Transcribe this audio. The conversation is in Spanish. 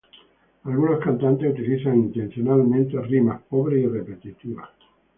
Algunos cantantes utilizan intencionalmente rimas pobres y repetitivas.